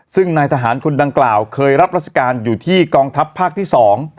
ซึ่งนายทหารคนดังกล่าวเคยรับราชการอยู่ที่กองทัพภาคที่สอง